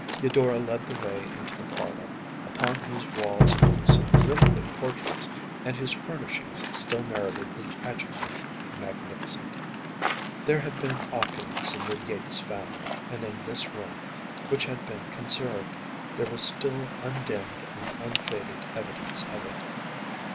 Eudora led the way into the parlor, upon whose walls hung some really good portraits and whose furnishings still merited the adjective magnificent. There had been opulence in the Yates family; and in this room, which had been conserved, there was still undimmed and unfaded evidence of it.